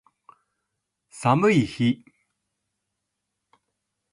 寒い日